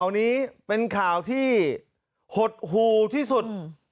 นี้เป็นข่าวที่หดหูที่สุด